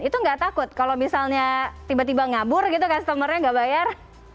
itu nggak takut kalau misalnya tiba tiba ngabur gitu customer nya nggak bayar